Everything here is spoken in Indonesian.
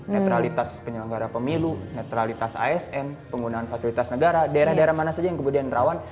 netralitas penyelenggara pemilu netralitas asn penggunaan fasilitas negara daerah daerah mana saja yang kemudian rawan